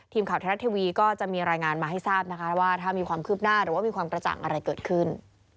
ทีมข่าวไทยรัฐทีวีก็จะมีรายงานมาให้ทราบนะคะว่าถ้ามีความคืบหน้าหรือว่ามีความกระจ่างอะไรเกิดขึ้น